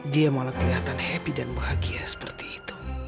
dia malah kelihatan happy dan bahagia seperti itu